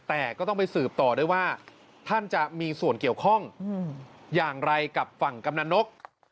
แต่ก็ต้องไปสืบต่อด้วยว่าท่านจะมีส่วนเกี่ยวข้องอย่างไรกับฝั่งกำนันนก